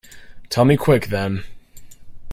Tell me quick, then.